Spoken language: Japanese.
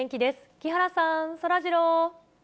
木原さん、そらジロー。